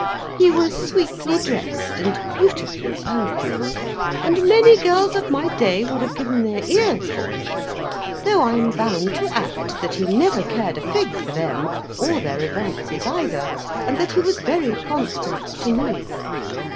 He was sweetly dressed, and beautifully perfumed, and many girls of my day would have given their ears for him; though I am bound to add that he never cared a fig for them, or their advances either, and that he was very constant to me.